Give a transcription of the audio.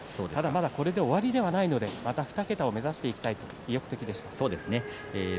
まだこれで終わりではないのでまた２桁を目指していきたいと意欲的でした。